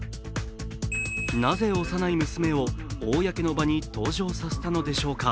なぜ、幼い娘を公の場に登場させたのでしょうか。